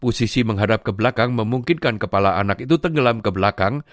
posisi menghadap ke belakang memungkinkan kepala anak itu tenggelam ke belakang